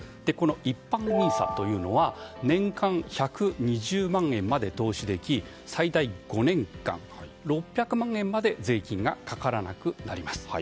一般ＮＩＳＡは年間１２０万円まで投資でき、最大５年間６００万円まで税金がかからなくなります。